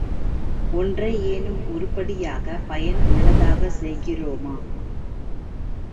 ஒன்றையேனும் உருப்படியாக, பயன் உள்ளதாக, செய்கிறோமா?